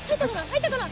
入ったかな？